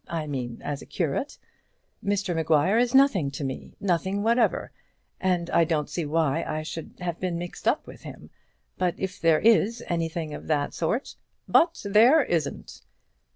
I mean as a curate. Mr Maguire is nothing to me, nothing whatever; and I don't see why I should have been mixed up with him; but if there is anything of that sort " "But there isn't."